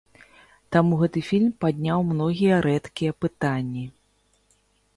Таму гэты фільм падняў многія рэдкія пытанні.